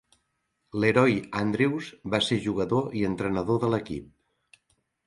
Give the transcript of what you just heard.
LeRoy Andrews va ser jugador i entrenador de l'equip.